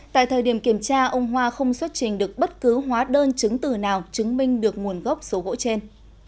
tại thời điểm kiểm tra ông hoa không xuất trình được bất cứ hóa đơn chứng từ nào chứng minh được nguồn gốc số gỗ trên